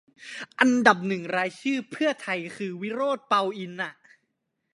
อันดับหนึ่งรายชื่อเพื่อไทยคือ วิโรจน์ เปาอินทร์ อะ